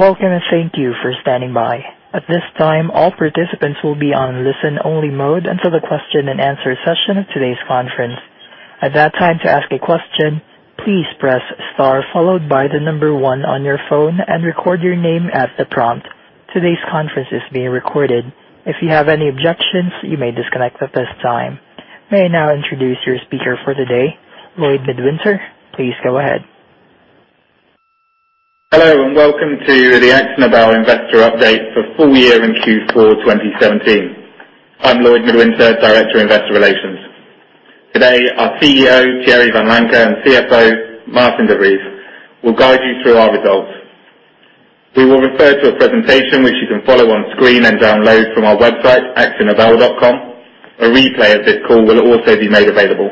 Welcome, and thank you for standing by. At this time, all participants will be on listen-only mode until the question and answer session of today's conference. At that time, to ask a question, please press star followed by the number 1 on your phone and record your name at the prompt. Today's conference is being recorded. If you have any objections, you may disconnect at this time. May I now introduce your speaker for today, Lloyd Midwinter. Please go ahead. Hello, and welcome to the Akzo Nobel investor update for full year in Q4 2017. I am Lloyd Midwinter, Director of Investor Relations. Today, our CEO, Thierry Vanlancker, and CFO, Maarten de Vries, will guide you through our results. We will refer to a presentation which you can follow on-screen and download from our website, akzonobel.com. A replay of this call will also be made available.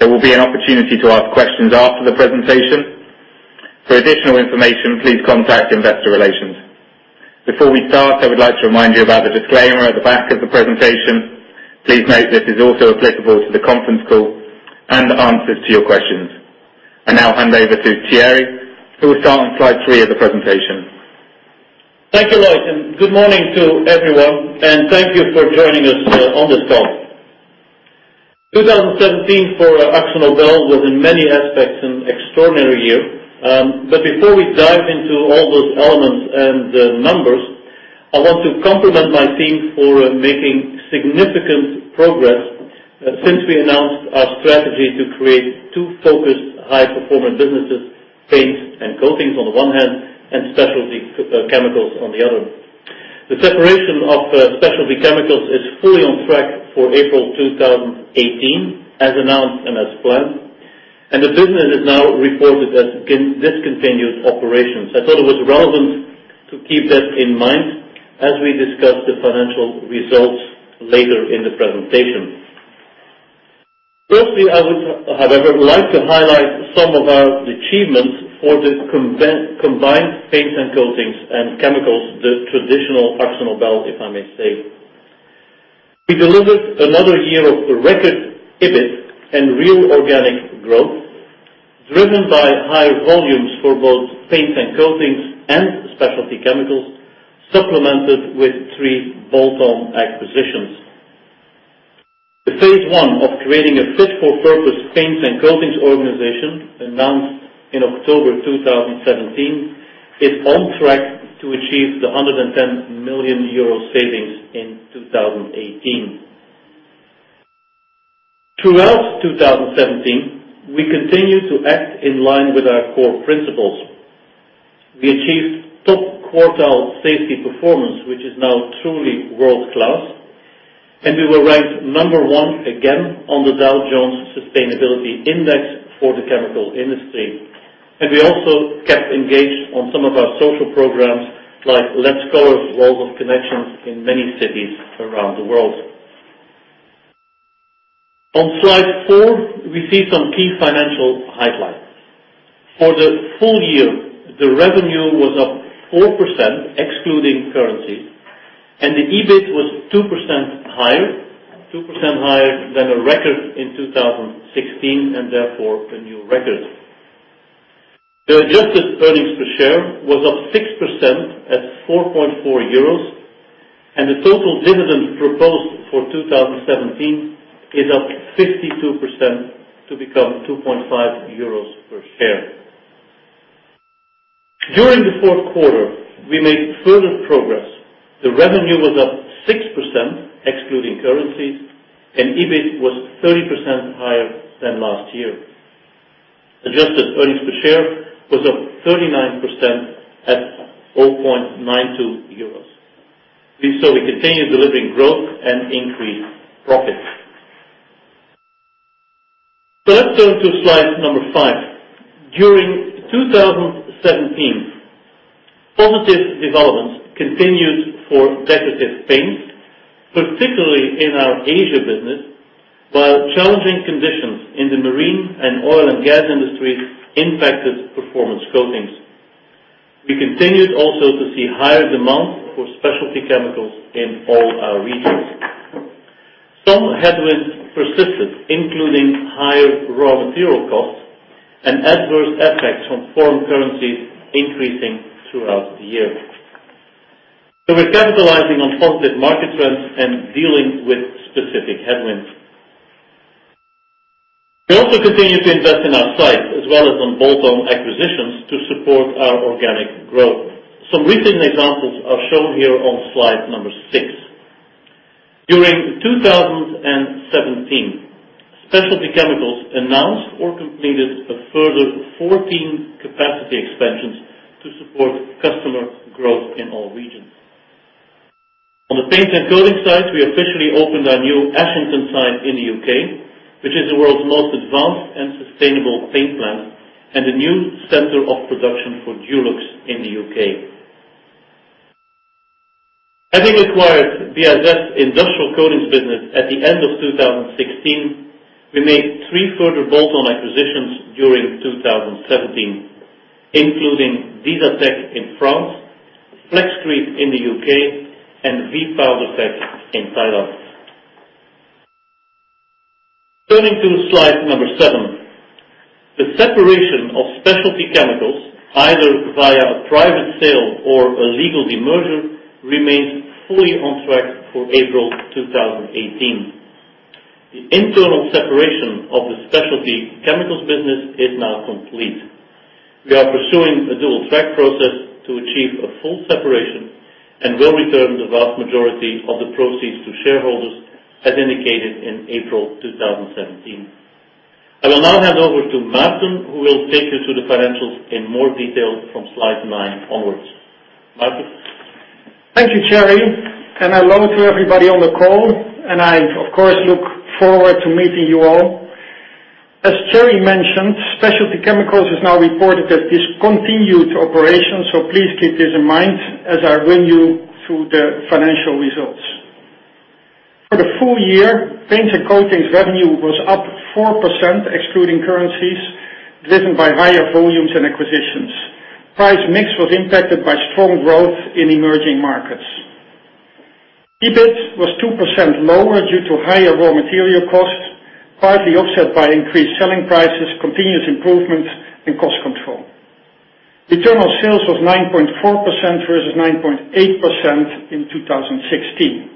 There will be an opportunity to ask questions after the presentation. For additional information, please contact Investor Relations. Before we start, I would like to remind you about the disclaimer at the back of the presentation. Please note this is also applicable to the conference call and answers to your questions. I now hand over to Thierry, who will start on slide three of the presentation. Thank you, Lloyd, good morning to everyone, and thank you for joining us on this call. 2017 for Akzo Nobel was in many aspects an extraordinary year. Before we dive into all those elements and numbers, I want to compliment my team for making significant progress since we announced our strategy to create two focused high-performance businesses, Paints and Coatings on the one hand, and Specialty Chemicals on the other. The separation of Specialty Chemicals is fully on track for April 2018, as announced and as planned, and the business is now reported as discontinued operations. I thought it was relevant to keep that in mind as we discuss the financial results later in the presentation. I would, however, like to highlight some of our achievements for this combined Paints and Coatings and Chemicals, the traditional Akzo Nobel, if I may say. We delivered another year of record EBIT and real organic growth, driven by higher volumes for both Paints and Coatings and Specialty Chemicals, supplemented with three bolt-on acquisitions. The phase 1 of creating a fit-for-purpose Paints and Coatings organization, announced in October 2017, is on track to achieve the 110 million euro savings in 2018. Throughout 2017, we continued to act in line with our core principles. We achieved top-quartile safety performance, which is now truly world-class, and we were ranked number 1 again on the Dow Jones Sustainability Index for the chemical industry. We also kept engaged on some of our social programs, like Let's Colour Walls of Connection in many cities around the world. On slide four, we see some key financial highlights. For the full year, the revenue was up 4%, excluding currency. The EBIT was 2% higher than a record in 2016, and therefore, a new record. The adjusted earnings per share was up 6% at 4.4 euros, and the total dividend proposed for 2017 is up 52% to become 2.5 euros per share. During the fourth quarter, we made further progress. The revenue was up 6%, excluding currency, and EBIT was 30% higher than last year. Adjusted earnings per share was up 39% at 4.92 euros. We continue delivering growth and increased profits. Let's turn to slide number five. During 2017, positive developments continued for Decorative Paints, particularly in our Asia business, while challenging conditions in the marine and oil and gas industries impacted Performance Coatings. We continued also to see higher demand for Specialty Chemicals in all our regions. Some headwinds persisted, including higher raw material costs and adverse effects from foreign currencies increasing throughout the year. We're capitalizing on positive market trends and dealing with specific headwinds. We also continue to invest in our sites as well as on bolt-on acquisitions to support our organic growth. Some recent examples are shown here on slide number six. During 2017, Specialty Chemicals announced or completed a further 14 capacity expansions to support customer growth in all regions. On the Paints and Coatings side, we officially opened our new Ashington site in the U.K., which is the world's most advanced and sustainable paint plant and a new center of production for Dulux in the U.K. Having acquired BASF's Industrial Coatings business at the end of 2016, we made three further bolt-on acquisitions during 2017, including Disatec in France, Flexcrete in the U.K., and V.Powdertech in Thailand. Turning to slide number seven. The separation of Specialty Chemicals, either via a private sale or a legal demerger, remains fully on track for April 2018. The internal separation of the Specialty Chemicals business is now complete. We are pursuing a dual-track process to achieve a full separation, and will return the vast majority of the proceeds to shareholders as indicated in April 2017. I will now hand over to Maarten, who will take you through the financials in more detail from slide nine onwards. Maarten. Thank you, Thierry. Hello to everybody on the call. I, of course, look forward to meeting you all. As Thierry mentioned, Specialty Chemicals is now reported as discontinued operations, so please keep this in mind as I run you through the financial results. For the full year, Paints and Coatings revenue was up 4%, excluding currencies, driven by higher volumes and acquisitions. Price mix was impacted by strong growth in emerging markets. EBIT was 2% lower due to higher raw material costs, partly offset by increased selling prices, continuous improvements, and cost control. Internal sales was 9.4% versus 9.8% in 2016.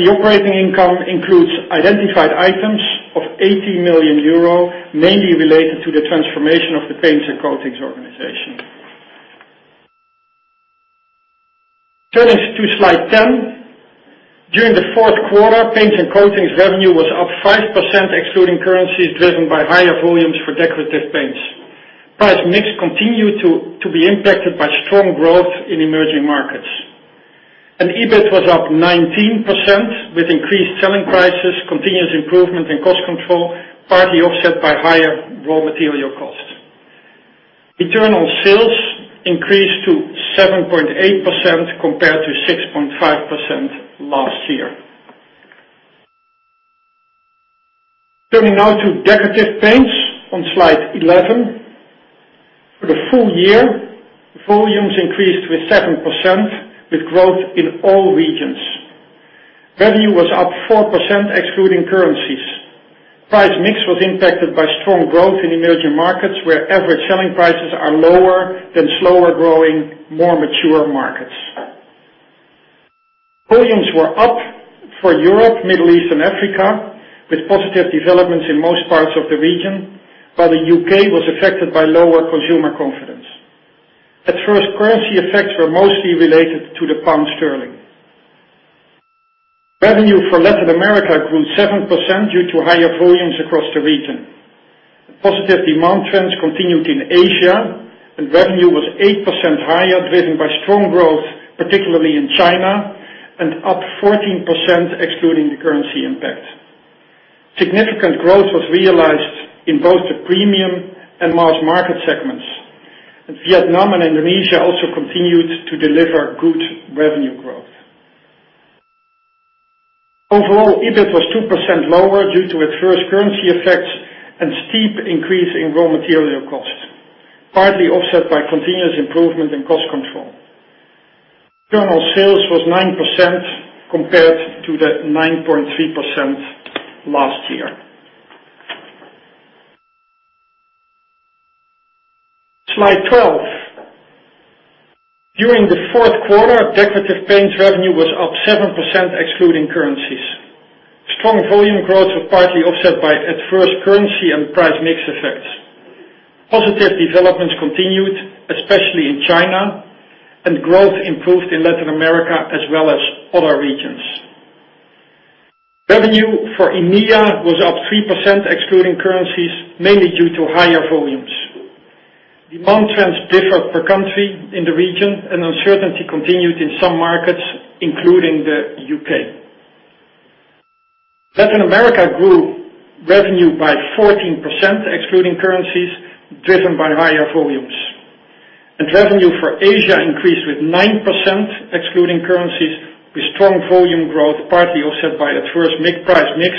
The operating income includes identified items of 80 million euro, mainly related to the transformation of the Paints and Coatings organization. Turning to slide 10. During the fourth quarter, Paints and Coatings revenue was up 5%, excluding currencies, driven by higher volumes for Decorative Paints. Price mix continued to be impacted by strong growth in emerging markets. EBIT was up 19%, with increased selling prices, continuous improvement in cost control, partly offset by higher raw material costs. Internal sales increased to 7.8% compared to 6.5% last year. Turning now to Decorative Paints on slide 11. For the full year, volumes increased with 7%, with growth in all regions. Revenue was up 4%, excluding currencies. Price mix was impacted by strong growth in emerging markets, where average selling prices are lower than slower-growing, more mature markets. Volumes were up for Europe, Middle East, and Africa, with positive developments in most parts of the region, while the U.K. was affected by lower consumer confidence. Adverse currency effects were mostly related to the pound sterling. Revenue for Latin America grew 7% due to higher volumes across the region. Positive demand trends continued in Asia. Revenue was 8% higher, driven by strong growth, particularly in China, and up 14%, excluding the currency impact. Significant growth was realized in both the premium and mass-market segments. Vietnam and Indonesia also continued to deliver good revenue growth. Overall, EBIT was 2% lower due to adverse currency effects and steep increase in raw material costs, partly offset by continuous improvement in cost control. Internal sales was 9% compared to the 9.3% last year. Slide 12. During the fourth quarter, Decorative Paints revenue was up 7%, excluding currencies. Strong volume growth was partly offset by adverse currency and price mix effects. Positive developments continued, especially in China, and growth improved in Latin America as well as other regions. Revenue for EMEA was up 3%, excluding currencies, mainly due to higher volumes. Demand trends differed per country in the region, and uncertainty continued in some markets, including the U.K. Latin America grew revenue by 14%, excluding currencies, driven by higher volumes. Revenue for Asia increased with 9%, excluding currencies, with strong volume growth partly offset by adverse price mix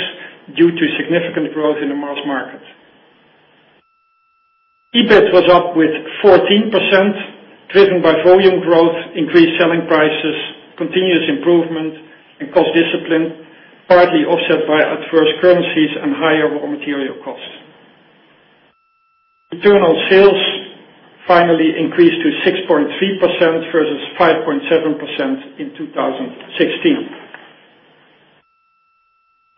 due to significant growth in the mass market. EBIT was up with 14%, driven by volume growth, increased selling prices, continuous improvement, and cost discipline, partly offset by adverse currencies and higher raw material costs. Internal sales finally increased to 6.3% versus 5.7% in 2016.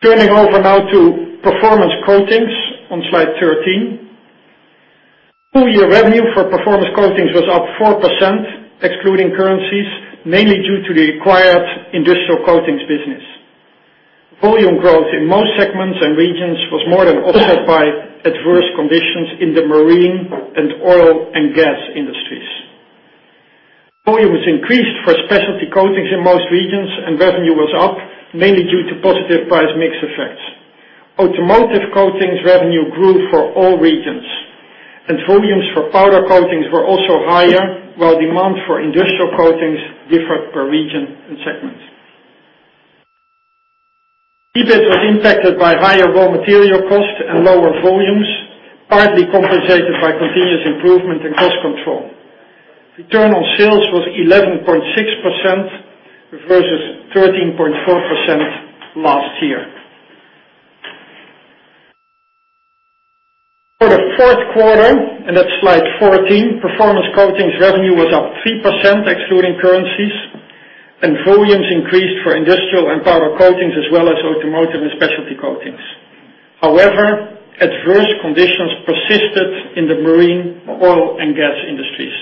Turning over now to Performance Coatings on Slide 13. Full-year revenue for Performance Coatings was up 4%, excluding currencies, mainly due to the acquired Industrial Coatings business. Volume growth in most segments and regions was more than offset by adverse conditions in the marine and oil and gas industries. Volumes increased for Specialty Coatings in most regions. Revenue was up, mainly due to positive price mix effects. Automotive Coatings revenue grew for all regions. Volumes for Powder Coatings were also higher, while demand for Industrial Coatings differed per region and segment. EBIT was impacted by higher raw material costs and lower volumes, partly compensated by continuous improvement in cost control. Return on sales was 11.6% versus 13.4% last year. For the fourth quarter, and that's slide 14, Performance Coatings revenue was up 3%, excluding currencies. Volumes increased for Industrial and Powder Coatings as well as Automotive and Specialty Coatings. However, adverse conditions persisted in the marine, oil, and gas industries.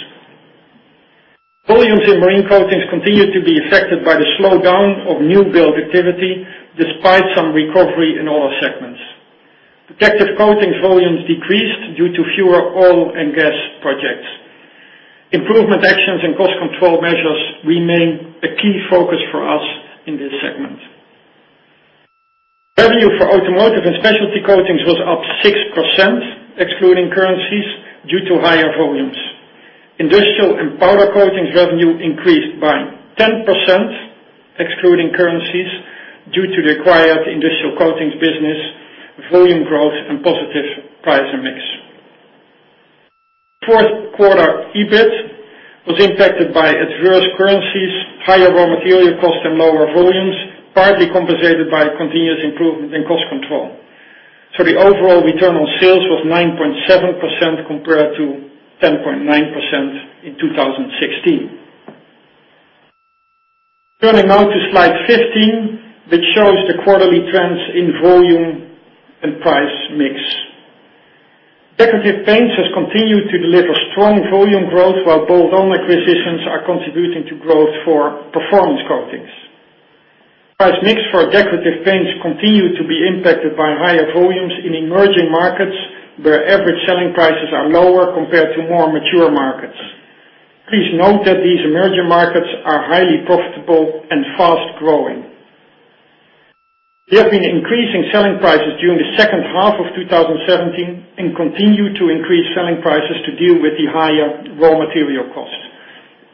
Volumes in Marine Coatings continued to be affected by the slowdown of new build activity, despite some recovery in all segments. Protective Coatings volumes decreased due to fewer oil and gas projects. Improvement actions and cost control measures remain a key focus for us in this segment. Revenue for Automotive Coatings and Specialty Coatings was up 6%, excluding currencies, due to higher volumes. Industrial Coatings and Powder Coatings revenue increased by 10%, excluding currencies, due to the acquired Industrial Coatings business, volume growth, and positive price mix. Fourth quarter EBIT was impacted by adverse currencies, higher raw material costs, and lower volumes, partly compensated by continuous improvement in cost control. The overall return on sales was 9.7%, compared to 10.9% in 2016. Turning now to slide 15, which shows the quarterly trends in volume and price mix. Decorative Paints has continued to deliver strong volume growth, while bolt-on acquisitions are contributing to growth for Performance Coatings. Price mix for Decorative Paints continued to be impacted by higher volumes in emerging markets, where average selling prices are lower compared to more mature markets. Please note that these emerging markets are highly profitable and fast-growing. We have been increasing selling prices during the second half of 2017 and continue to increase selling prices to deal with the higher raw material costs.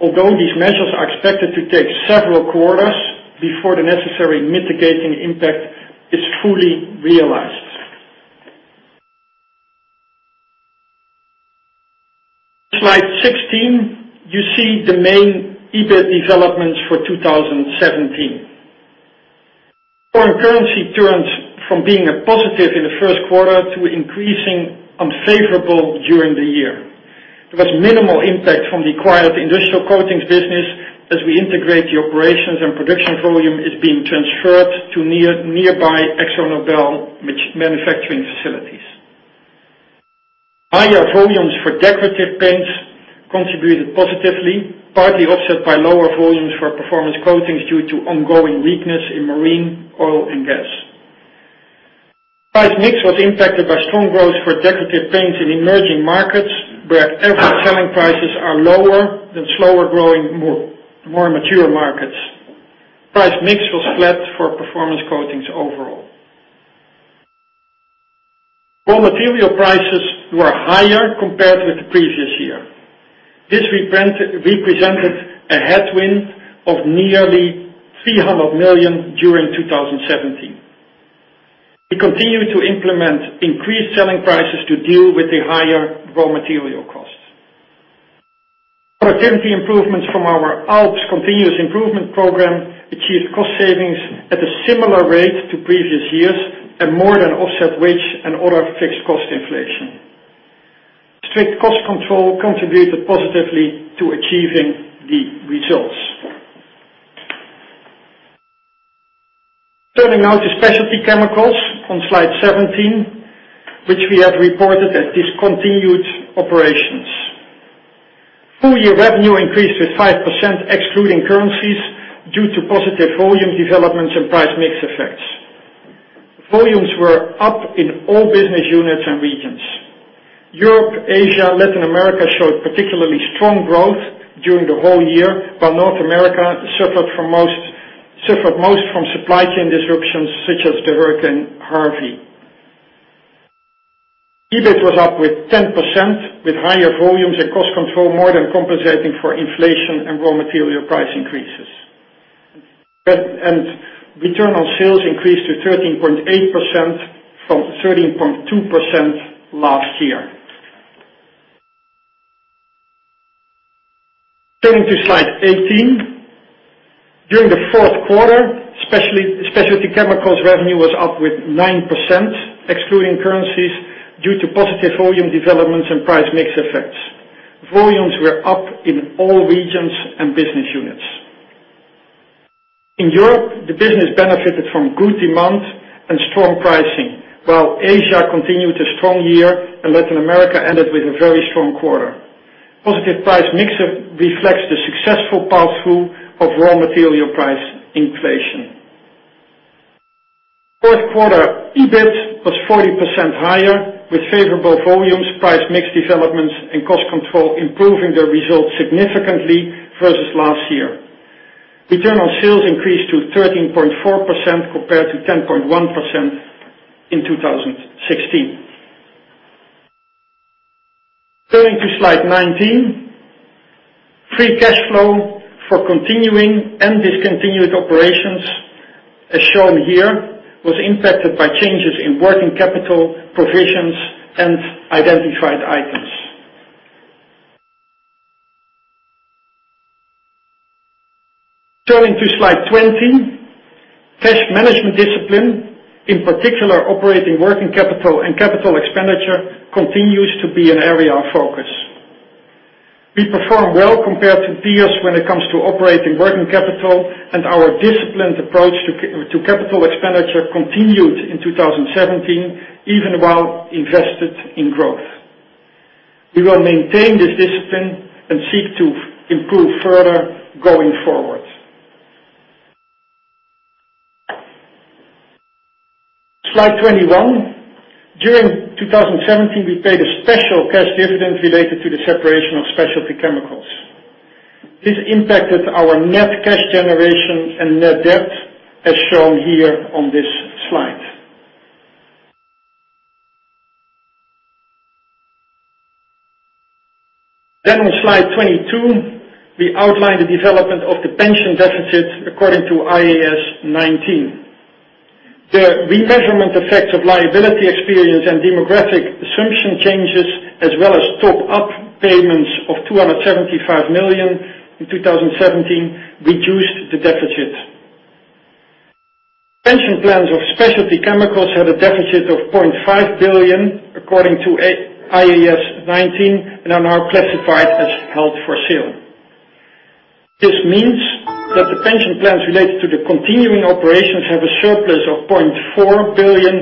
Although these measures are expected to take several quarters before the necessary mitigating impact is fully realized. Slide 16, you see the main EBIT developments for 2017. Foreign currency turned from being a positive in the first quarter to increasing unfavorable during the year. There was minimal impact from the acquired Industrial Coatings business, as we integrate the operations and production volume is being transferred to nearby Akzo Nobel manufacturing facilities. Higher volumes for Decorative Paints contributed positively, partly offset by lower volumes for Performance Coatings due to ongoing weakness in Marine, oil, and gas. Price mix was impacted by strong growth for Decorative Paints in emerging markets, where average selling prices are lower than slower-growing, more mature markets. Price mix was flat for Performance Coatings overall. Raw material prices were higher compared with the previous year. This represented a headwind of nearly 300 million during 2017. We continue to implement increased selling prices to deal with the higher raw material costs. Productivity improvements from our ALPS continuous improvement program achieved cost savings at a similar rate to previous years and more than offset wage and other fixed cost inflation. Strict cost control contributed positively to achieving the results. Turning now to Specialty Chemicals on slide 17, which we have reported as discontinued operations. Full-year revenue increased to 5%, excluding currencies, due to positive volume developments and price mix effects. Volumes were up in all business units and regions. Europe, Asia, Latin America showed particularly strong growth during the whole year, while North America suffered most from supply chain disruptions such as Hurricane Harvey. EBIT was up with 10%, with higher volumes and cost control more than compensating for inflation and raw material price increases. Return on sales increased to 13.8% from 13.2% last year. Turning to slide 18. During the fourth quarter, Specialty Chemicals revenue was up with 9%, excluding currencies, due to positive volume developments and price mix effects. Volumes were up in all regions and business units. In Europe, the business benefited from good demand and strong pricing, while Asia continued a strong year and Latin America ended with a very strong quarter. Positive price mix reflects the successful pass-through of raw material price inflation. Fourth quarter EBIT was 40% higher, with favorable volumes, price mix developments, and cost control improving the results significantly versus last year. Return on sales increased to 13.4% compared to 10.1% in 2016. Turning to slide 19. Free cash flow for continuing and discontinued operations as shown here, was impacted by changes in working capital, provisions, and identified items. Turning to slide 20. Cash management discipline, in particular, operating working capital and capital expenditure continues to be an area of focus. We perform well compared to peers when it comes to operating working capital, and our disciplined approach to capital expenditure continued in 2017, even while invested in growth. We will maintain this discipline and seek to improve further going forward. Slide 21. During 2017, we paid a special cash dividend related to the separation of Specialty Chemicals. This impacted our net cash generation and net debt as shown here on this slide. On slide 22, we outline the development of the pension deficit according to IAS 19. The remeasurement effects of liability experience and demographic assumption changes, as well as top-up payments of 275 million in 2017, reduced the deficit. Pension plans of Specialty Chemicals had a deficit of 0.5 billion, according to IAS 19, and are now classified as held for sale. This means that the pension plans related to the continuing operations have a surplus of €0.4 billion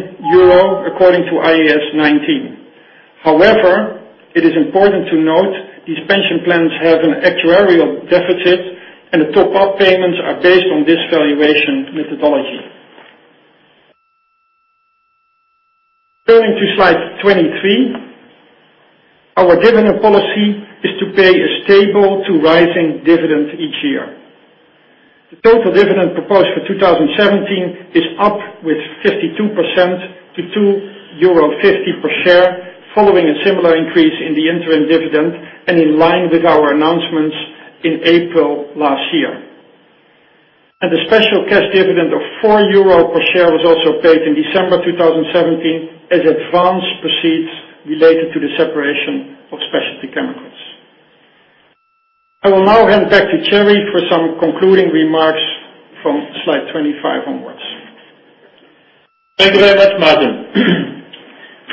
according to IAS 19. However, it is important to note these pension plans have an actuarial deficit, and the top-up payments are based on this valuation methodology. Turning to slide 23. Our dividend policy is to pay a stable to rising dividend each year. The total dividend proposed for 2017 is up with 52% to €2.50 per share, following a similar increase in the interim dividend and in line with our announcements in April last year. The special cash dividend of €4 per share was also paid in December 2017 as advance proceeds related to the separation of Specialty Chemicals. I will now hand back to Thierry for some concluding remarks from slide 25 onwards. Thank you very much, Maarten.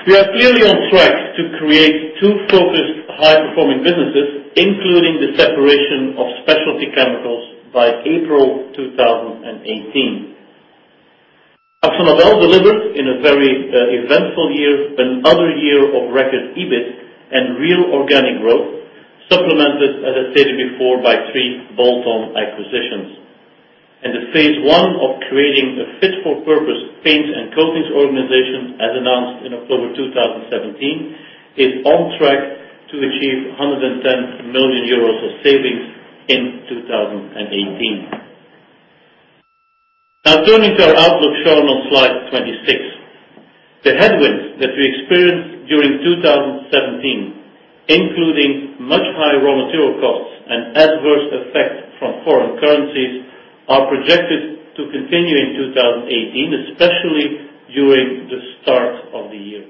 We are clearly on track to create two focused, high-performing businesses, including the separation of Specialty Chemicals by April 2018. Akzo Nobel delivered, in a very eventful year, another year of record EBIT and real organic growth, supplemented, as I stated before, by three bolt-on acquisitions. The phase 1 of creating a fit-for-purpose paints and coatings organization, as announced in October 2017, is on track to achieve €110 million of savings in 2018. Turning to our outlook shown on slide 26. The headwinds that we experienced during 2017, including much higher raw material costs and adverse effects from foreign currencies, are projected to continue in 2018, especially during the start of the year.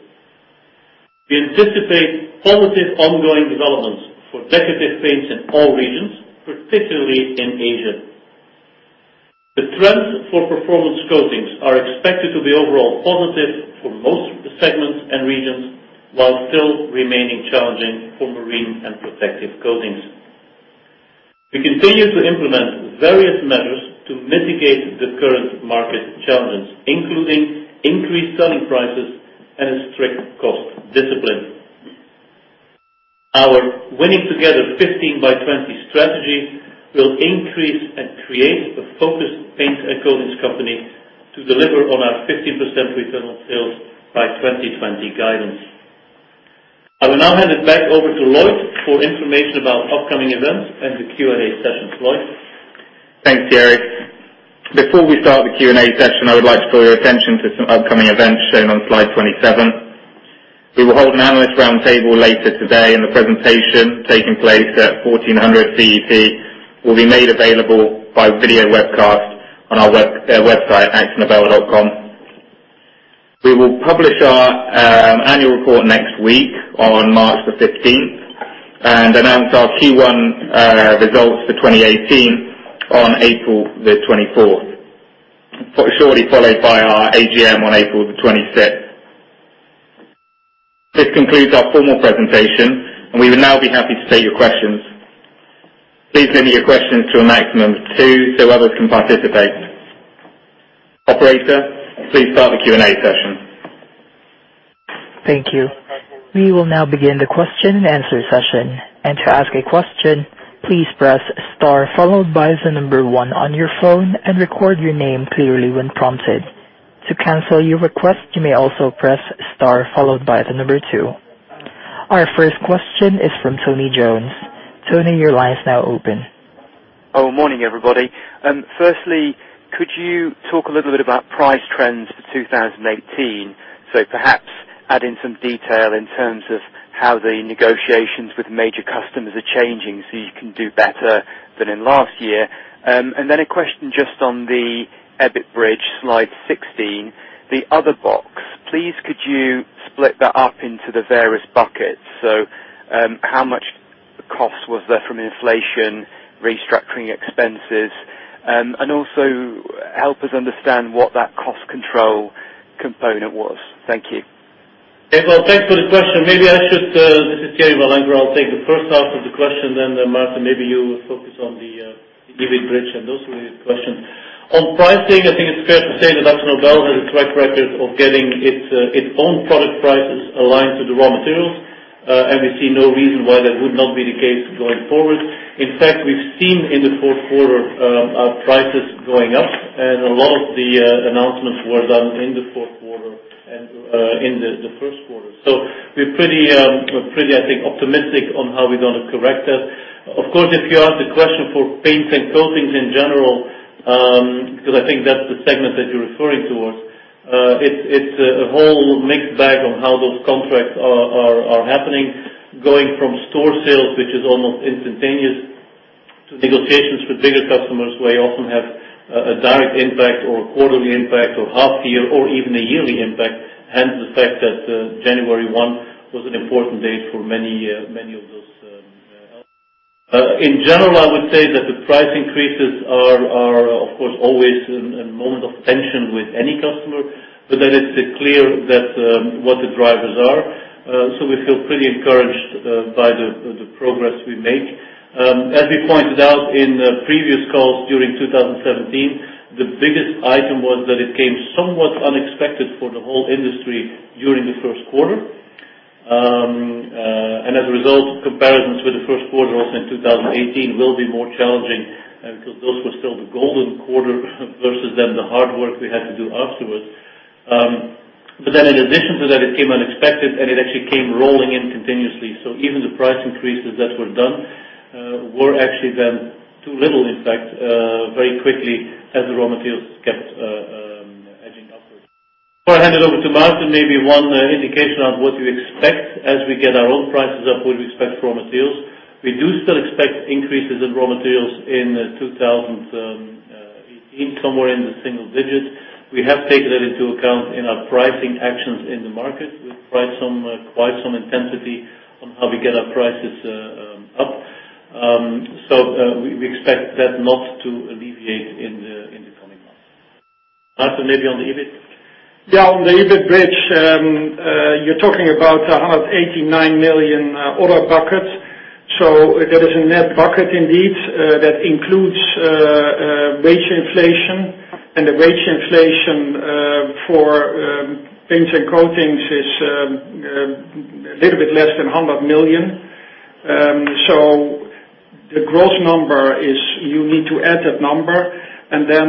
We anticipate positive ongoing developments for Decorative Paints in all regions, particularly in Asia. The trends for Performance Coatings are expected to be overall positive for most segments and regions, while still remaining challenging for Marine and Protective Coatings. We continue to implement various measures to mitigate the current market challenges, including increased selling prices and a strict cost discipline. Our Winning together: 15 by 20 strategy will increase and create a focused paints and coatings company to deliver on our 15% return on sales by 2020 guidance. I will now hand it back over to Lloyd for information about upcoming events and the Q&A session. Lloyd? Thanks, Thierry. Before we start the Q&A session, I would like to draw your attention to some upcoming events shown on slide 27. We will hold an analyst roundtable later today, and the presentation taking place at 1400 CET will be made available by video webcast on our website, akzonobel.com. We will publish our annual report next week on March the 15th and announce our Q1 results for 2018 on April the 24th, shortly followed by our AGM on April the 26th. This concludes our formal presentation, and we will now be happy to take your questions. Please limit your questions to a maximum of two so others can participate. Operator, please start the Q&A session. Thank you. We will now begin the question and answer session. To ask a question, please press star followed by the number one on your phone and record your name clearly when prompted. To cancel your request, you may also press star followed by the number two. Our first question is from Tony Jones. Tony, your line is now open. Morning, everybody. Firstly, could you talk a little bit about price trends for 2018? Perhaps Add in some detail in terms of how the negotiations with major customers are changing so you can do better than in last year. A question just on the EBIT bridge, slide 16. The other box. Please could you split that up into the various buckets? How much cost was there from inflation, restructuring expenses, and also help us understand what that cost control component was. Thank you. Okay, well, thanks for the question. This is Thierry Vanlancker. I'll take the first half of the question, Maarten, maybe you focus on the EBIT bridge and those kinds of questions. On pricing, I think it's fair to say that Akzo Nobel has a track record of getting its own product prices aligned to the raw materials, we see no reason why that would not be the case going forward. In fact, we've seen in the fourth quarter, our prices going up, a lot of the announcements were done in the fourth quarter and in the first quarter. We're pretty, I think, optimistic on how we're going to correct that. Of course, if you ask the question for paints and coatings in general, because I think that's the segment that you're referring towards. It's a whole mixed bag on how those contracts are happening. Going from store sales, which is almost instantaneous, to negotiations with bigger customers, where you often have a direct impact or quarterly impact, or half year or even a yearly impact, hence the fact that January 1 was an important date for many of those. In general, I would say that the price increases are of course, always a moment of tension with any customer, it's clear what the drivers are. We feel pretty encouraged by the progress we make. As we pointed out in previous calls during 2017, the biggest item was that it came somewhat unexpected for the whole industry during the first quarter. Comparisons with the first quarter also in 2018 will be more challenging because those were still the golden quarter versus then the hard work we had to do afterwards. In addition to that, it came unexpected and it actually came rolling in continuously. Even the price increases that were done were actually then too little, in fact, very quickly as the raw materials kept edging upwards. Before I hand it over to Maarten, maybe one indication on what we expect as we get our own prices up with respect to raw materials. We do still expect increases in raw materials in 2018, somewhere in the single digits. We have taken that into account in our pricing actions in the market. We applied some intensity on how we get our prices up. We expect that not to alleviate in the coming months. Maarten, maybe on the EBIT. On the EBIT bridge, you're talking about 189 million other buckets. There is a net bucket indeed, that includes wage inflation. The wage inflation for paints and coatings is a little bit less than 100 million. The gross number is you need to add that number, and then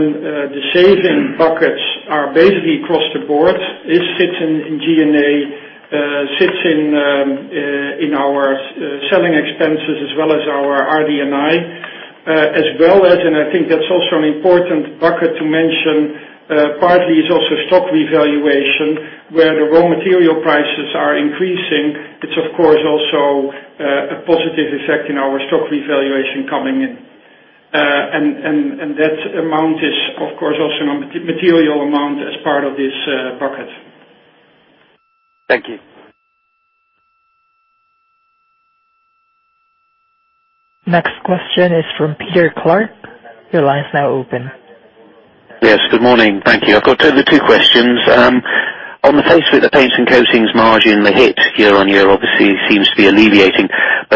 the saving buckets are basically across the board. It sits in G&A, sits in our selling expenses as well as our RD&I. As well as, I think that's also an important bucket to mention, partly is also stock revaluation, where the raw material prices are increasing. It's of course, also a positive effect in our stock revaluation coming in. That amount is, of course, also a material amount as part of this bucket. Thank you. Next question is from Peter Clark. Your line's now open. Good morning. Thank you. I've got two questions. On the face of it, the paints and coatings margin, the hit year-on-year obviously seems to be alleviating.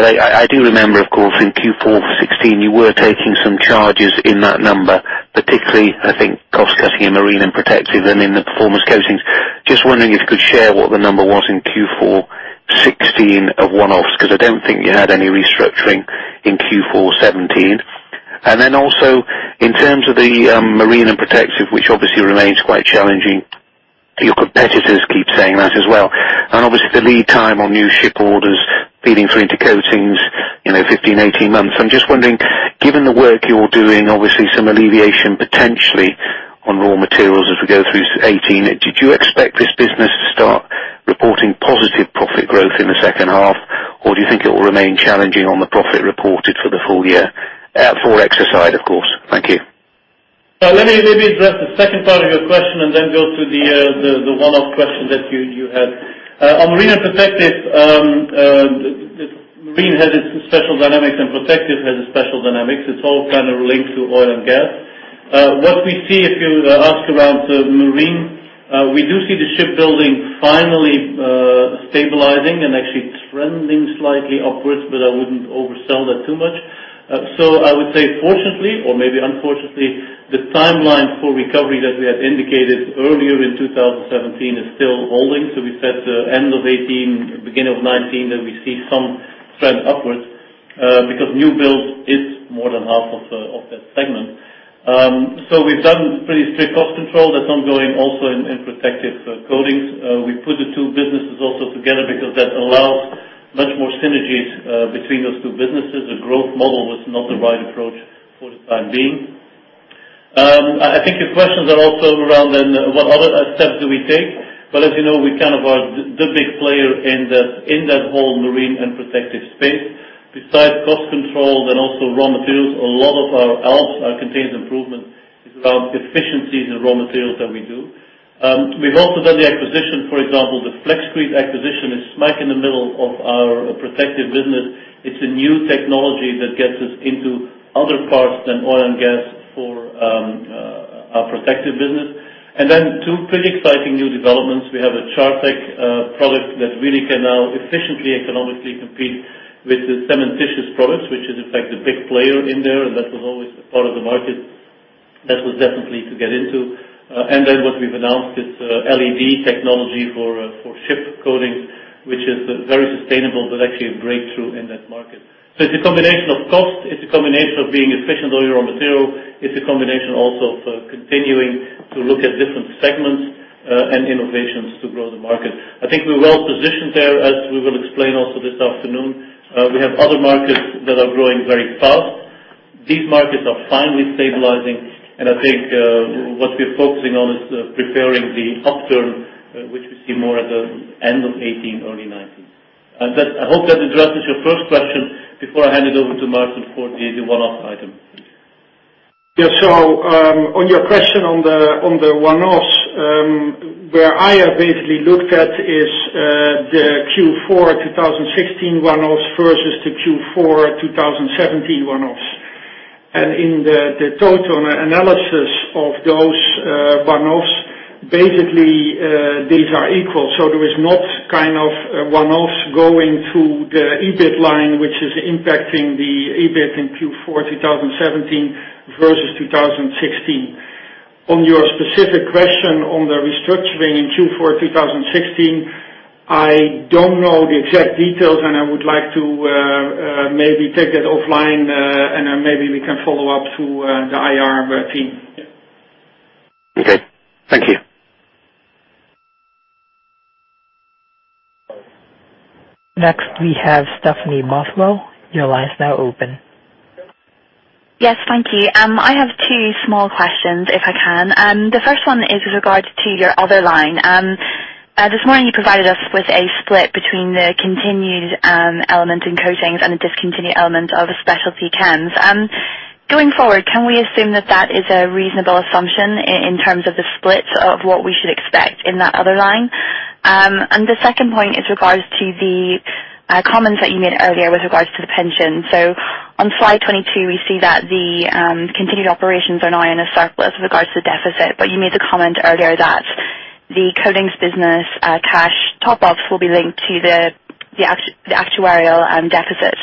I do remember, of course, in Q4 2016, you were taking some charges in that number, particularly, I think, cost cutting in Marine and Protective and in the Performance Coatings. Just wondering if you could share what the number was in Q4 2016 of one-offs, because I don't think you had any restructuring in Q4 2017. Then also in terms of the Marine and Protective, which obviously remains quite challenging. Your competitors keep saying that as well. Obviously the lead time on new ship orders feeding through to coatings 15-18 months. I'm just wondering, given the work you're doing, obviously some alleviation potentially on raw materials as we go through 2018. Did you expect this business to start reporting positive profit growth in the second half? Or do you think it will remain challenging on the profit reported for the full year? At Forex aside, of course. Thank you. Let me maybe address the second part of your question and then go to the one-off question that you had. On Marine and Protective, Marine has its special dynamics and Protective has its special dynamics. It's all kind of linked to oil and gas. What we see if you ask around Marine, we do see the shipbuilding finally stabilizing and actually trending slightly upwards, but I wouldn't oversell that too much. I would say fortunately or maybe unfortunately, the timeline for recovery that we had indicated earlier in 2017 is still holding. We said end of 2018, beginning of 2019, that we see some trend upwards, because new build is more than half of that segment. We've done pretty strict cost control. That's ongoing also in Protective Coatings. We put the two businesses also together because that allows To businesses, a growth model was not the right approach for the time being. I think your questions are also around then what other steps do we take, but as you know, we are the big player in that whole Marine and Protective space. Besides cost control and also raw materials, a lot of our ALPS contains improvements around efficiencies in raw materials that we do. We've also done the acquisition, for example, the Flexcrete acquisition is smack in the middle of our Protective business. It's a new technology that gets us into other parts than oil and gas for our Protective business. Two pretty exciting new developments. We have a Chartek product that really can now efficiently, economically compete with the cementitious products, which is, in fact, the big player in there, and that was always a part of the market that was definitely to get into. What we've announced is LED technology for ship coatings, which is very sustainable, but actually a breakthrough in that market. It's a combination of cost, it's a combination of being efficient with your raw material, it's a combination also of continuing to look at different segments, and innovations to grow the market. I think we're well-positioned there, as we will explain also this afternoon. We have other markets that are growing very fast. These markets are finally stabilizing, and I think what we're focusing on is preparing the upturn, which we see more at the end of 2018, early 2019. I hope that addresses your first question before I hand it over to Maarten for the one-off item. On your question on the one-offs, where I have basically looked at is the Q4 2016 one-offs versus the Q4 2017 one-offs. In the total analysis of those one-offs, basically, these are equal. There is not one-offs going to the EBIT line, which is impacting the EBIT in Q4 2017 versus 2016. On your specific question on the restructuring in Q4 2016, I don't know the exact details, and I would like to maybe take that offline, and then maybe we can follow up through the IR team. Yeah. Okay. Thank you. Next, we have Stefano Toffano. Your line is now open. Yes, thank you. I have two small questions if I can. The first one is with regard to your other line. This morning, you provided us with a split between the continued element in coatings and the discontinued element of Specialty Chem. Going forward, can we assume that that is a reasonable assumption in terms of the split of what we should expect in that other line? The second point is regards to the comment that you made earlier with regards to the pension. On slide 22, we see that the continued operations are now in a surplus with regards to deficit, but you made the comment earlier that the coatings business cash top-ups will be linked to the actuarial deficit.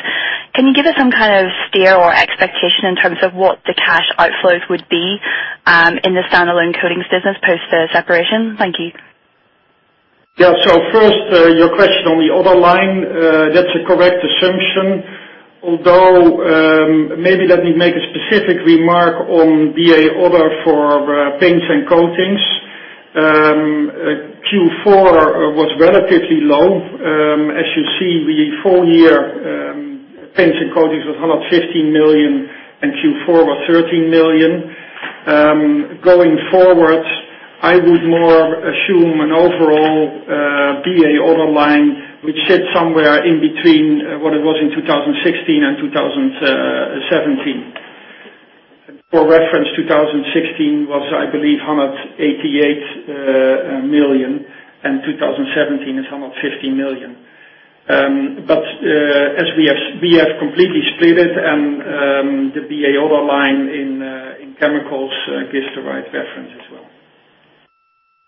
Can you give us some kind of steer or expectation in terms of what the cash outflows would be in the standalone coatings business post the separation? Thank you. First, your question on the other line, that's a correct assumption, although, maybe let me make a specific remark on BA other for Paints and Coatings. Q4 was relatively low. As you see, the full year Paints and Coatings was 115 million, and Q4 was 13 million. Going forward, I would more assume an overall BA other line, which sits somewhere in between what it was in 2016 and 2017. For reference, 2016 was, I believe, 188 million, and 2017 is EUR 115 million. As we have completely split it and the BA other line in Specialty Chemicals gives the right reference as well.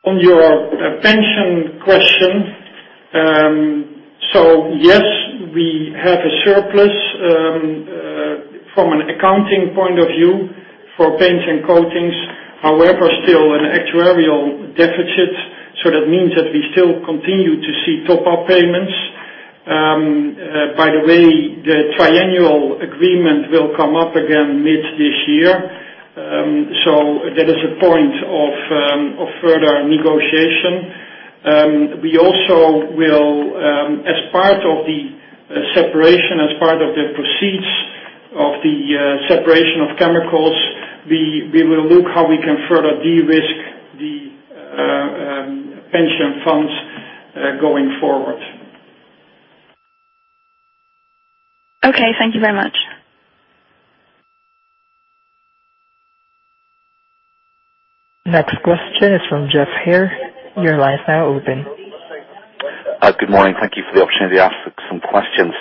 On your pension question, yes, we have a surplus from an accounting point of view for Paints and Coatings, however, still an actuarial deficit. That means that we still continue to see top-up payments. By the way, the triennial agreement will come up again mid this year. That is a point of further negotiation. We also will, as part of the separation, as part of the proceeds of the separation of Specialty Chemicals, we will look how we can further de-risk the pension funds going forward. Okay. Thank you very much. Next question is from Geoff Haire. Your line's now open. Good morning. Thank you for the opportunity to ask some questions.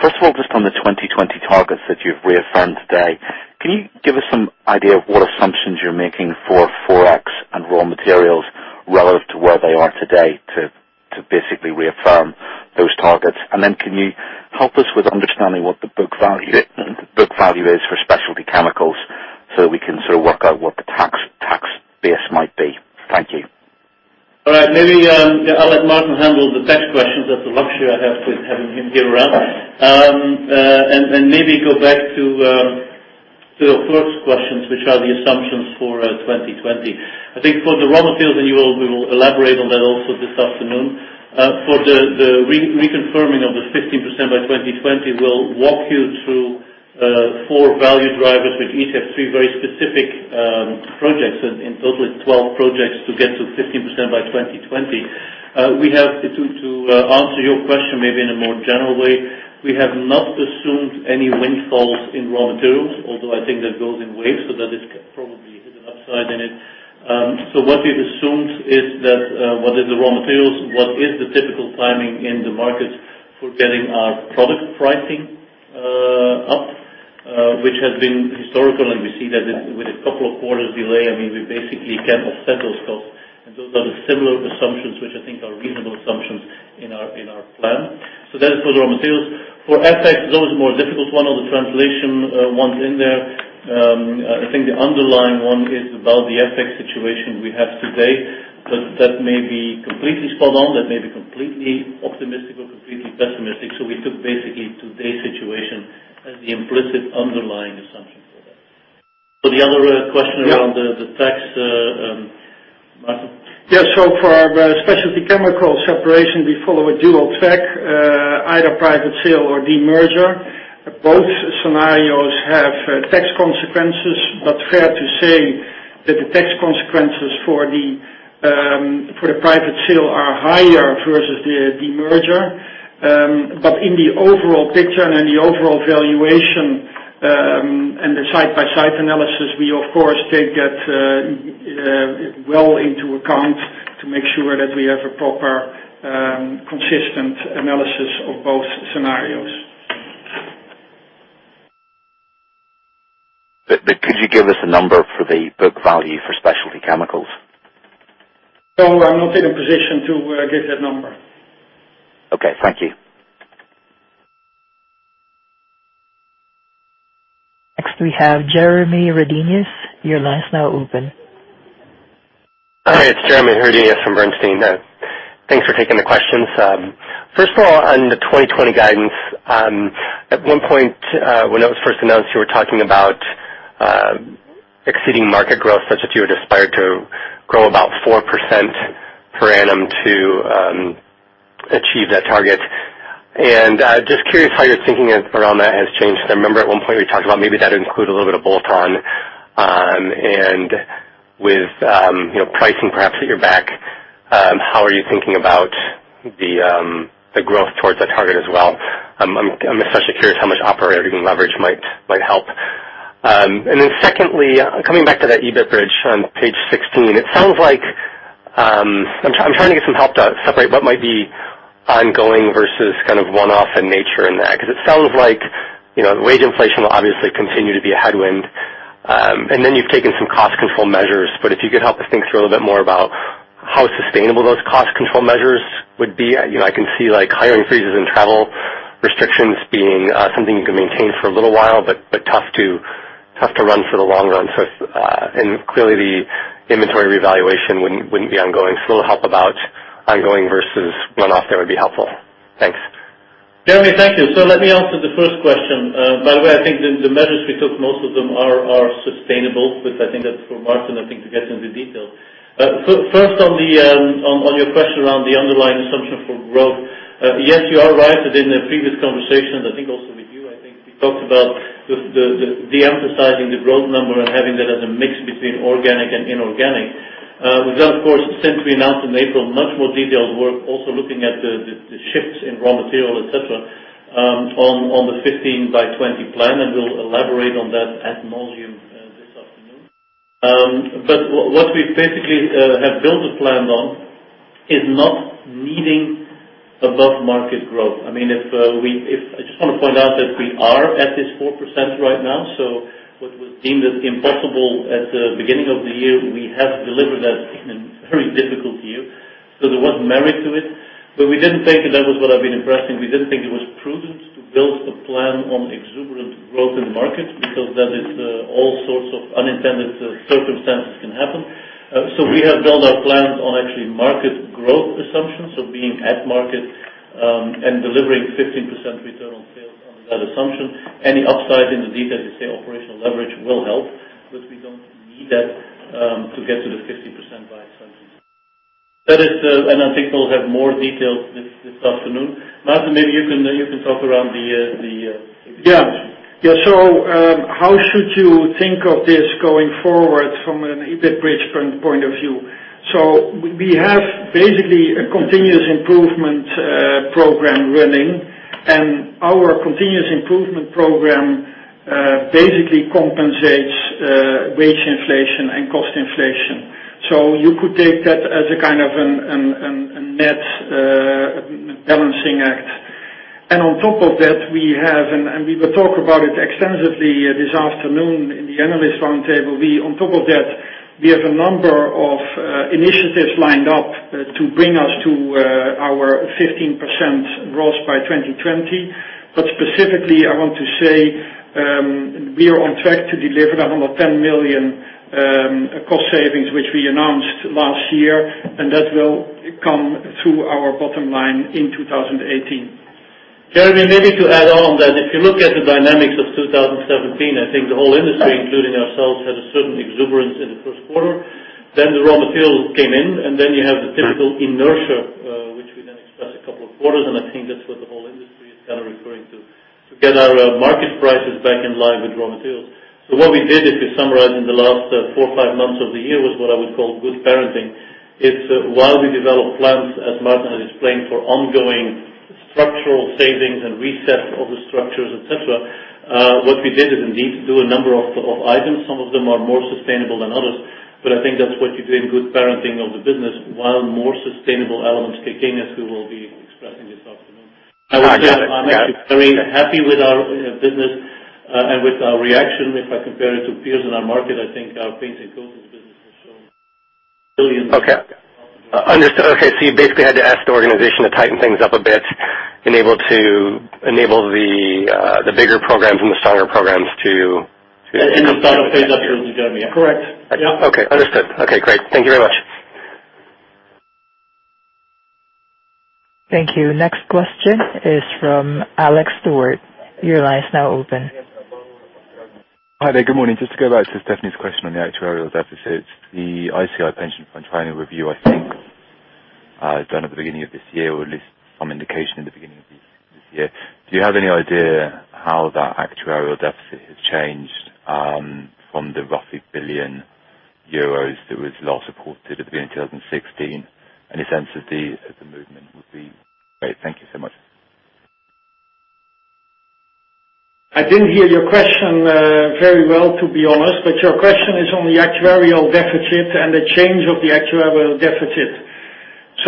First of all, just on the 2020 targets that you've reaffirmed today, can you give us some idea of what assumptions you're making for Forex and raw materials relative to where they are today to basically reaffirm those targets? Then can you help us with understanding what the book value is for Specialty Chemicals so we can sort of work out what the tax base might be? Thank you. All right. Maybe, I'll let Maarten handle the tax questions. That's a luxury I have with having him here around. To the first questions, which are the assumptions for 2020. I think for the raw materials, and we will elaborate on that also this afternoon. For the reconfirming of the 15% by 2020, we will walk you through four value drivers, which each have three very specific projects, and in total it is 12 projects to get to 15% by 2020. To answer your question maybe in a more general way, we have not assumed any windfalls in raw materials, although I think that goes in waves, so that is probably an upside in it. What we've assumed is that what is the raw materials, what is the typical timing in the markets for getting our product pricing up, which has been historical, and we see that with a couple of quarters delay, we basically can offset those costs. Those are the similar assumptions, which I think are reasonable assumptions in our plan. That is for the raw materials. For FX, those are more difficult. One are the translation ones in there. I think the underlying one is about the FX situation we have today. That may be completely spot on, that may be completely optimistic or completely pessimistic. We took basically today's situation as the implicit underlying assumption for that. For the other question around the tax, Maarten. Yeah. For our Specialty Chemicals separation, we follow a dual track, either private sale or de-merger. Both scenarios have tax consequences, fair to say that the tax consequences for the private sale are higher versus the de-merger. In the overall picture and in the overall valuation, and the side-by-side analysis, we, of course, take that well into account to make sure that we have a proper, consistent analysis of both scenarios. Could you give us a number for the book value for Specialty Chemicals? No, I'm not in a position to give that number. Okay. Thank you. Next, we have Jeremy Redenius. Your line is now open. Hi, it's Jeremy Redenius from Bernstein. Thanks for taking the questions. First of all, on the 2020 guidance. At one point, when it was first announced, you were talking about exceeding market growth such that you had aspired to grow about 4% per annum to achieve that target. Just curious how your thinking around that has changed. I remember at one point you talked about maybe that'd include a little bit of bolt-on. With pricing perhaps at your back, how are you thinking about the growth towards that target as well? I'm especially curious how much operating leverage might help. Then secondly, coming back to that EBIT bridge on page 16. I'm trying to get some help to separate what might be ongoing versus one-off in nature in that. It sounds like wage inflation will obviously continue to be a headwind. You've taken some cost control measures, if you could help us think through a little bit more about how sustainable those cost control measures would be. I can see hiring freezes and travel restrictions being something you can maintain for a little while, but tough to run for the long run. Clearly, the inventory revaluation wouldn't be ongoing. A little help about ongoing versus one-off there would be helpful. Thanks. Jeremy, thank you. Let me answer the first question. By the way, I think the measures we took, most of them are sustainable. I think that's for Maarten, I think, to get into the detail. First, on your question around the underlying assumption for growth. You are right that in the previous conversations, I think also with you, I think we talked about deemphasizing the growth number and having that as a mix between organic and inorganic. We've done, of course, since we announced in April, much more detailed work, also looking at the shifts in raw material, et cetera, on the 15 by 20 plan, and we'll elaborate on that ad nauseam this afternoon. What we basically have built the plan on is not needing above-market growth. I just want to point out that we are at this 4% right now. What was deemed as impossible at the beginning of the year, we have delivered that in a very difficult year. There was merit to it. We didn't think, and that was what I've been impressing, we didn't think it was prudent to build a plan on exuberant growth in the market because then it's all sorts of unintended circumstances can happen. We have built our plans on actually market growth assumptions, being at market, and delivering 15% return on sales under that assumption. Any upside in the details, let's say operational leverage, will help. We don't need that to get to the 15% by itself. I think we'll have more details this afternoon. Maarten, maybe you can talk around the EBIT. How should you think of this going forward from an EBIT bridge point of view? We have basically a continuous improvement program running, and our continuous improvement program basically compensates wage inflation and cost inflation. You could take that as a kind of a net balancing act. On top of that, we will talk about it extensively this afternoon in the analyst roundtable. On top of that, we have a number of initiatives lined up to bring us to our 15% growth by 2020. Specifically, I want to say, we are on track to deliver that 110 million cost savings, which we announced last year, and that will come through our bottom line in 2018. Jeremy, maybe to add on that, if you look at the dynamics of 2017, I think the whole industry, including ourselves, had a certain exuberance in the first quarter. The raw materials came in, you have the typical inertia, which we then expressed a couple of quarters, I think that's what the whole industry is kind of referring to. To get our market prices back in line with raw materials. What we did is, to summarize, in the last four or five months of the year was what I would call good parenting. Is while we develop plans, as Maarten has explained, for ongoing structural savings and reset of the structures, et cetera, what we did is indeed do a number of items. Some of them are more sustainable than others, I think that's what you do in good parenting of the business, while more sustainable elements kick in as we will be expressing this afternoon. I got it. Yeah. I would say I'm actually very happy with our business and with our reaction. If I compare it to peers in our market, I think our paints and coatings business has shown billions. Okay. Understood. Okay. You basically had to ask the organization to tighten things up a bit, enable the bigger programs and the stronger programs to Correct. Yeah. Okay. Understood. Okay, great. Thank you very much. Thank you. Next question is from Alex Stewart. Your line is now open. Hi there. Good morning. Just to go back to Stefano's question on the actuarial deficit. The ICI pension fund triennial review, I think, done at the beginning of this year, or at least some indication in the beginning of this year. Do you have any idea how that actuarial deficit has changed from the roughly 1 billion euros that was last reported at the beginning of 2016? Thank you so much. I didn't hear your question very well to be honest, your question is on the actuarial deficit and the change of the actuarial deficit.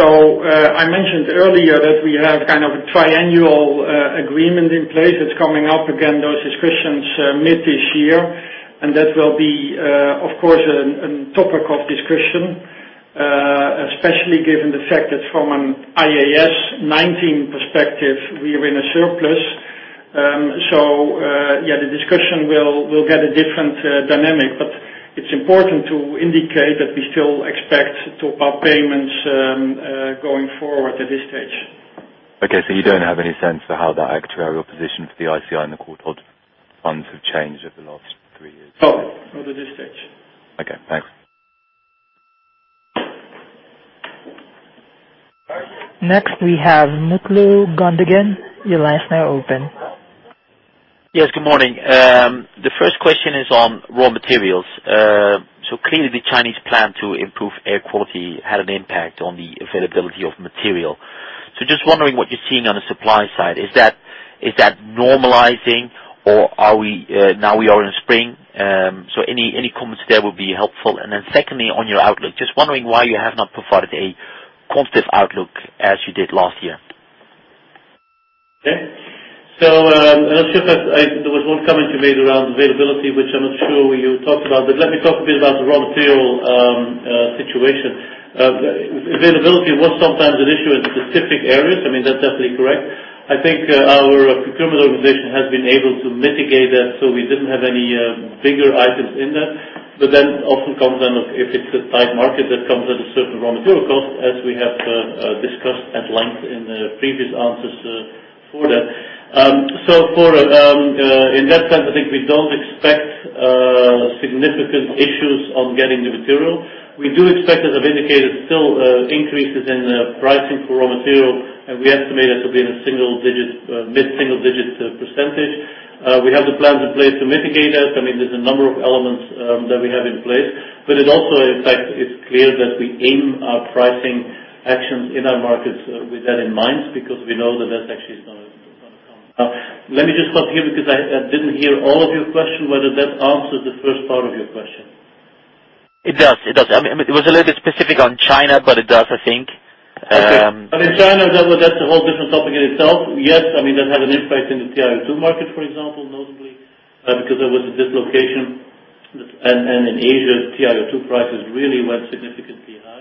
I mentioned earlier that we have kind of a triennial agreement in place that's coming up again, those discussions mid this year, and that will be, of course, a topic of discussion. Especially given the fact that from an IAS 19 perspective, we are in a surplus. Yeah, the discussion will get a different dynamic, but it's important to indicate that we still expect top-up payments going forward at this stage. Okay, you don't have any sense for how that actuarial position for the ICI and the corporate funds have changed over the last 3 years? No. Not at this stage. Okay, thanks. Next we have Mutlu Gundogan. Your line's now open. Yes, good morning. Clearly the first question is on raw materials. Just wondering what you're seeing on the supply side. Is that normalizing or now we are in spring. Any comments there would be helpful. Secondly, on your outlook, just wondering why you have not provided a quantitative outlook as you did last year. Okay. There was one comment you made around availability, which I'm not sure you talked about, but let me talk a bit about the raw material situation. Availability was sometimes an issue in specific areas. I mean, that's definitely correct. I think our procurement organization has been able to mitigate that, so we didn't have any bigger items in there. Often comes then, if it's a tight market, that comes at a certain raw material cost, as we have discussed at length in previous answers for that. In that sense, I think we don't expect significant issues on getting the material. We do expect, as I've indicated, still increases in pricing for raw material, we estimate that to be in mid-single digit %. We have the plans in place to mitigate that. There's a number of elements that we have in place. It also, in fact, is clear that we aim our pricing actions in our markets with that in mind, because we know that that actually is going to come. Let me just stop here because I didn't hear all of your question whether that answers the first part of your question. It does. It was a little bit specific on China, but it does, I think. I mean, China, that's a whole different topic in itself. Yes, that had an impact in the TiO2 market, for example, notably, because there was a dislocation. In Asia, TiO2 prices really went significantly high.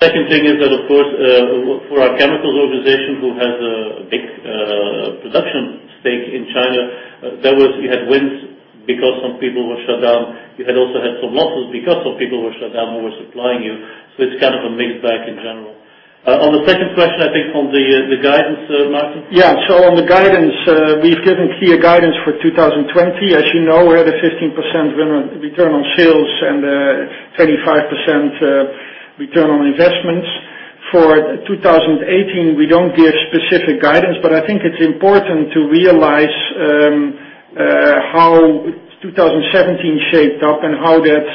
Second thing is that, of course, for our chemicals organization who has a big production stake in China, we had wins because some people were shut down. We had also had some losses because some people were shut down who were supplying you. It's kind of a mixed bag in general. On the second question, I think on the guidance, Maarten? On the guidance, we've given clear guidance for 2020. As you know, we had a 15% return on sales and 25% return on investments. For 2018, we don't give specific guidance, but I think it's important to realize how 2017 shaped up and how that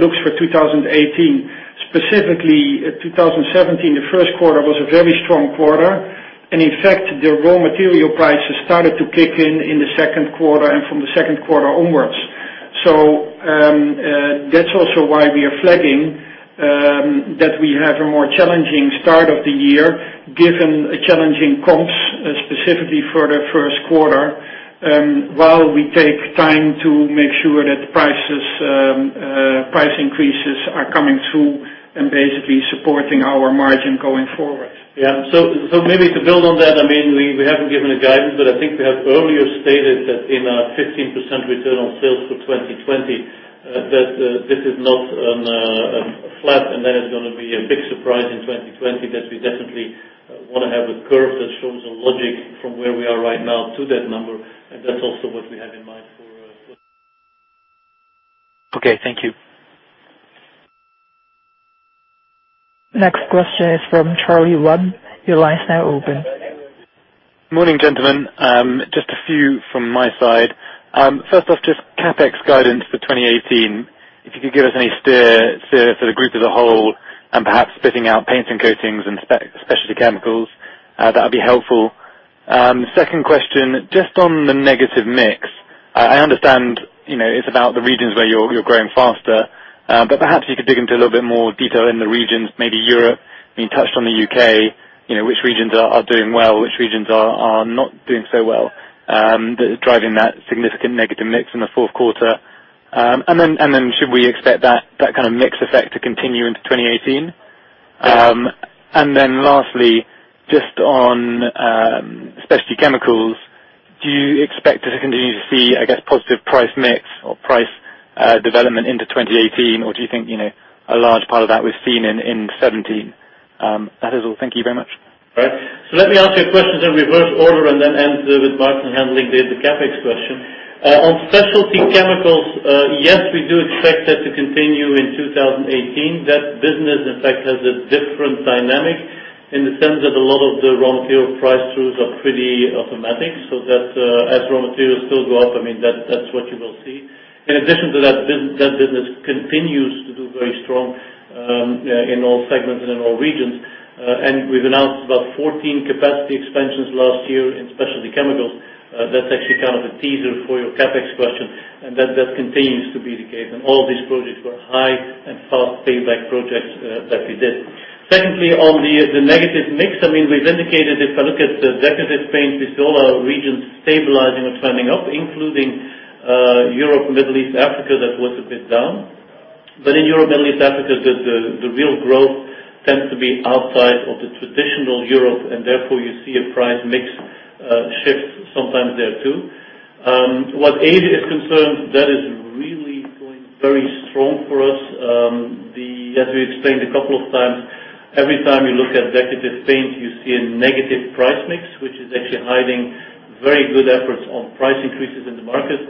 looks for 2018. Specifically 2017, the first quarter was a very strong quarter, in fact, the raw material prices started to kick in in the second quarter and from the second quarter onwards. That's also why we are flagging that we have a more challenging start of the year given challenging comps specifically for the first quarter, while we take time to make sure that price increases are coming through and basically supporting our margin going forward. Yeah. Maybe to build on that, we haven't given a guidance, but I think we have earlier stated that in our 15% return on sales for 2020. That this is not a flat. There is going to be a big surprise in 2020. That we definitely want to have a curve that shows a logic from where we are right now to that number. That's also what we have in mind for- Okay, thank you. Next question is from Charlie Webb. Your line is now open. Morning, gentlemen. Just a few from my side. First off, just CapEx guidance for 2018. If you could give us any steer for the group as a whole and perhaps spitting out paints and coatings and Specialty Chemicals, that would be helpful. Second question, just on the negative mix. I understand, it's about the regions where you're growing faster, but perhaps you could dig into a little bit more detail in the regions, maybe Europe. You touched on the U.K., which regions are doing well, which regions are not doing so well, that is driving that significant negative mix in the fourth quarter. Should we expect that kind of mix effect to continue into 2018? Lastly, just on Specialty Chemicals, do you expect us to continue to see, I guess, positive price mix or price development into 2018? Do you think, a large part of that was seen in 2017? That is all. Thank you very much. Right. Let me answer your questions in reverse order and then end with Maarten handling the CapEx question. On Specialty Chemicals, yes, we do expect that to continue in 2018. That business, in fact, has a different dynamic in the sense that a lot of the raw material price throughs are pretty automatic. As raw materials still go up, that's what you will see. In addition to that business continues to do very strong in all segments and in all regions. We've announced about 14 capacity expansions last year in Specialty Chemicals. That's actually kind of a teaser for your CapEx question, and that continues to be the case, and all these projects were high and fast payback projects that we did. Secondly, on the negative mix, we've indicated if I look at Decorative Paints, we see all our regions stabilizing or turning up, including Europe, Middle East, Africa, that was a bit down. In Europe, Middle East, Africa, the real growth tends to be outside of the traditional Europe, and therefore you see a price mix shift sometimes there too. What Asia is concerned, that is really going very strong for us. As we explained a couple of times, every time you look at Decorative Paints, you see a negative price mix, which is actually hiding very good efforts on price increases in the market.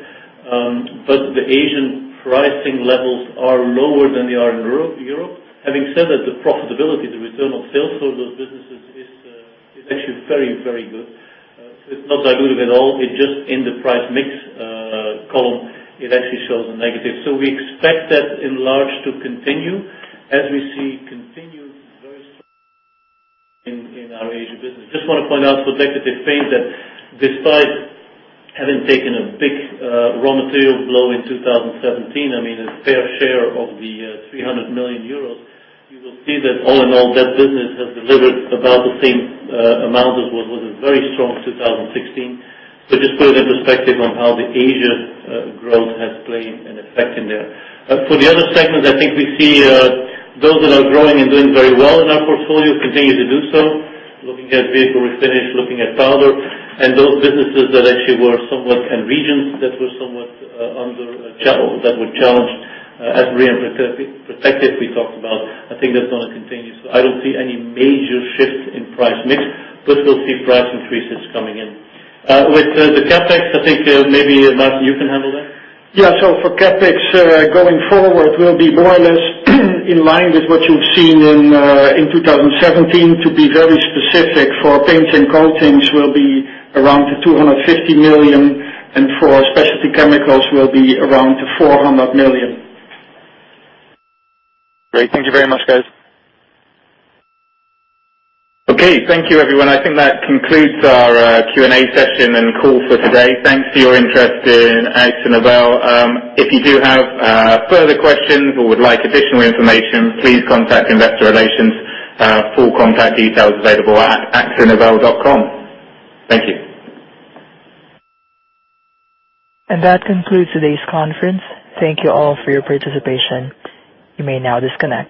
The Asian pricing levels are lower than they are in Europe. Having said that, the profitability, the return on sales for those businesses is actually very, very good. It's not that good at all. It's just in the price mix column, it actually shows a negative. We expect that in large to continue as we see continued very strong in our Asia business. Just want to point out for Decorative Paints that despite having taken a big raw material blow in 2017, I mean, a fair share of the 300 million euros, you will see that all in all that business has delivered about the same amount as what was a very strong 2016. Just putting it in perspective on how the Asia growth has played an effect in there. For the other segments, I think we see those that are growing and doing very well in our portfolio continue to do so. Looking at vehicle refinish, looking at Powder Coatings, and those businesses that actually were somewhat in regions that were somewhat challenged as marine protective we talked about. I think that's going to continue. I don't see any major shift in price mix, but we'll see price increases coming in. With the CapEx, I think maybe, Maarten, you can handle that. For CapEx, going forward, we'll be more or less in line with what you've seen in 2017. To be very specific, for paints and coatings will be around 250 million, and for Specialty Chemicals will be around 400 million. Great. Thank you very much, guys. Thank you everyone. I think that concludes our Q&A session and call for today. Thanks for your interest in Akzo Nobel. If you do have further questions or would like additional information, please contact investor relations. Full contact details available at akzonobel.com. Thank you. That concludes today's conference. Thank you all for your participation. You may now disconnect.